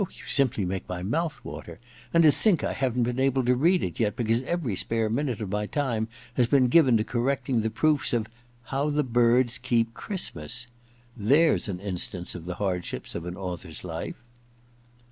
You simply make my mouth water ! And I EXPIATION. 83 to think I haven't been able to read it yet because every spare minute of my time has been given to correcting the proofs of "How the Birds Keep Christmas "! There's an instance of the hardships of an author's life